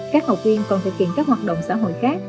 các học viên còn thực hiện các hoạt động xã hội khác